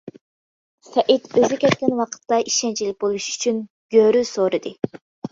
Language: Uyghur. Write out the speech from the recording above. سەئىد ئۆزى كەتكەن ۋاقىتتا ئىشەنچلىك بولۇش ئۈچۈن گۆرۈ سورىدى.